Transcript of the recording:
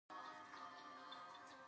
پیاز د قیمې لپاره ضروري دی